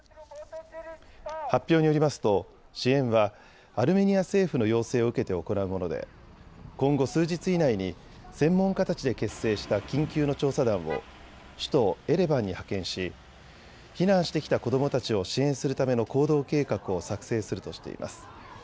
発表によりますと支援はアルメニア政府の要請を受けて行うもので今後、数日以内に専門家たちで結成した緊急の調査団を首都エレバンに派遣し避難してきた子どもたちを支援するための行動計画を作成するとしています。